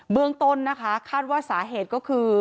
เมืองต้นนะคะคาดว่าสาเหตุก็คือ